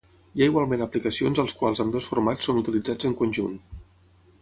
Hi ha igualment aplicacions als quals ambdós formats són utilitzats en conjunt.